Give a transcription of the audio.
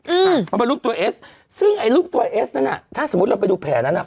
อืมมันเป็นรูปตัวเอสซึ่งไอ้รูปตัวเอสนั้นอ่ะถ้าสมมุติเราไปดูแผลนั้นอ่ะ